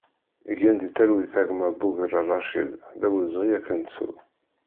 Gen di talwit a gma Bugerra Racid, d awezɣi ad k-nettu!